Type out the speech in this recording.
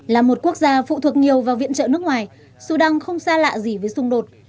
là một quốc gia phụ thuộc nhiều vào viện trợ nước ngoài sudan không xa lạ gì với xung đột